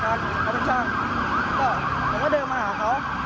ก็เดินมาหาเขา